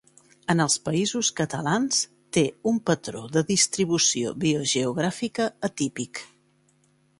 En els Països Catalans té un patró de distribució biogeogràfica atípic.